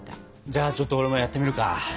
じゃあちょっと俺もやってみるか。